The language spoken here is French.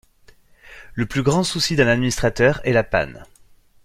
Le plus grand souci d’un administrateur est la panne.